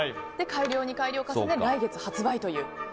改良に改良を重ねて来月発売という。